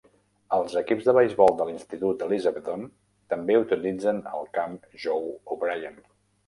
Els equips de beisbol de l'institut Elizabethton també utilitzen el camp Joe O'Brien.